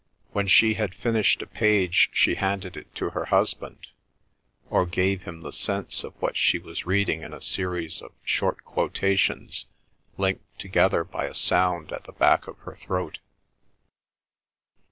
When she had finished a page she handed it to her husband, or gave him the sense of what she was reading in a series of short quotations linked together by a sound at the back of her throat.